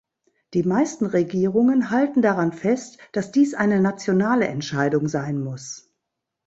Die meisten Regierungen halten daran fest, dass dies eine nationale Entscheidung sein muss.